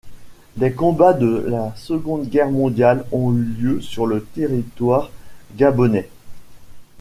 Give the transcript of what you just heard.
Des combats de la Seconde Guerre mondiale ont eu lieu sur le territoire gabonais.